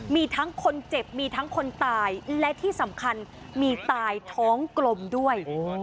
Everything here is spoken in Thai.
มีทั้งคนเจ็บมีทั้งคนตายและที่สำคัญมีตายท้องกลมด้วย